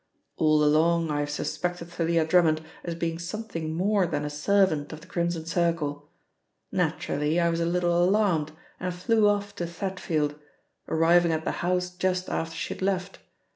All along I have suspected Thalia Drummond as being something more than a servant of the Crimson Circle; naturally I was a little alarmed and flew off to Thetfield, arriving at the house just after she had left.